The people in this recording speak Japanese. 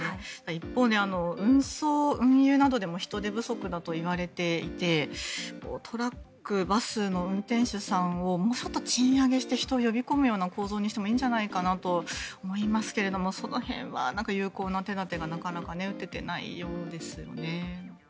一方で運送、運輸などでも人手不足だといわれていてトラック、バスの運転手さんをもうちょっと賃上げして人を呼び込むような構造にしてもいいのではと思いますがその辺は有効な手立てがなかなか打てていないようですね。